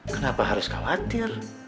kenapa harus khawatir